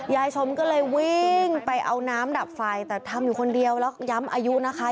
ยายชมก็เลยวิ่งไปเอาน้ำดับไฟแต่ทำอยู่คนเดียวแล้วย้ำอายุนะคะ